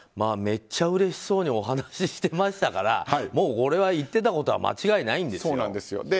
めっちゃうれしそうにお話してましたからもう、これは行ってたことは間違いないんですよ。